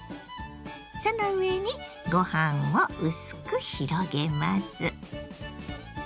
その上にご飯を薄く広げます。